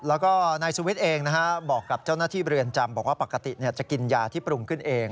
แล้วก็นายสุวิทย์เองบอกกับเจ้าหน้าที่เรือนจำบอกว่าปกติจะกินยาที่ปรุงขึ้นเอง